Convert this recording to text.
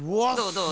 どう？